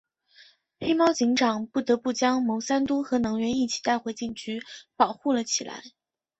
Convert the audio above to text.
黑猫警长不得不将牟三嘟和能源一起带回警局保护了起来。